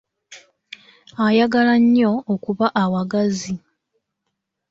Ayagala nnyo okuba awagazi.